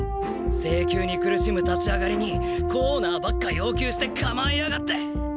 制球に苦しむ立ち上がりにコーナーばっか要求して構えやがって。